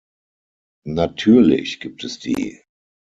Natürlich gibt es die.